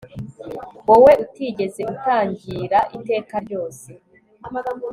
wowe utigeze utangira iteka ryose